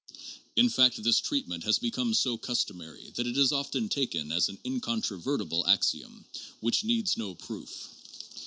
In fact this treatment has become so customary that it is often taken as an incontrovertible axiom which needs no proof.